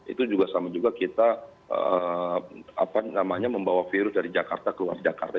itu juga sama juga kita membawa virus dari jakarta ke luar jakarta